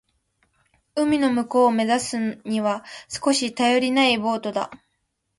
海の向こうを目指すには少し頼りないボートだ。